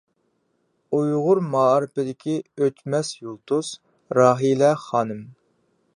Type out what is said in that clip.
ئۇيغۇر مائارىپىدىكى ئۆچمەس يۇلتۇز — راھىلە خانىم.